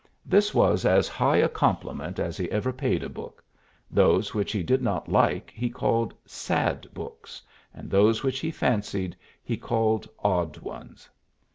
This was as high a compliment as he ever paid a book; those which he did not like he called sad books, and those which he fancied he called odd ones.